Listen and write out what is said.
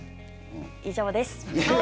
以上です。